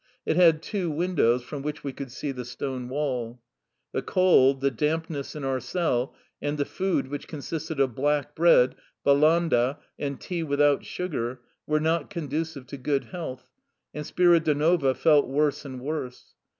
It had two windows, from which we could see the stone wall. The cold, the dampness in our cell, and the food which consisted of black bread, balandd,^ and tea without sugar, were not conducive to good health, and Spiridonova felt worse and worse.